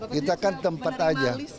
kita kan tempat aja